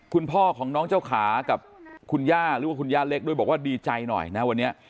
คุณพ่อของน้องเจ้าขากับคุณย่าหรือว่าคุณย่าเล็กด้วยบอกว่าดีใจหน่อยนะวันนี้